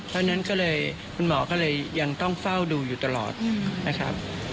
เพราะฉะนั้นก็เลยคุณหมอก็เลยยังต้องเฝ้าดูอยู่ตลอดนะครับ